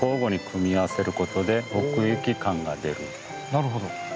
なるほど。